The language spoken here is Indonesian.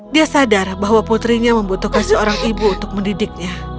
dia sadar bahwa putrinya membutuhkan seorang ibu untuk mendidiknya